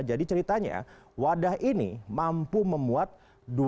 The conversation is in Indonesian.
jadi ceritanya wadah ini mampu memuat dua ratus tujuh puluh kg atau satu ratus tujuh puluh kg